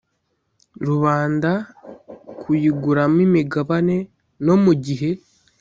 Rubanda kuyiguramo imigabane no mu gihe